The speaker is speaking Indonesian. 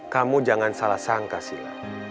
kamu jangan salah sangka sila